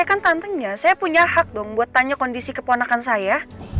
saya kan tantenya saya punya hak dong buat tanya kondisi keponakan saya